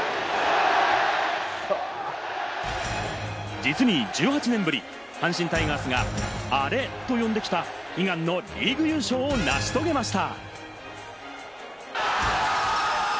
実に１８年ぶり、阪神タイガースがアレと呼んできた、悲願のリーグ優勝を成し遂げました。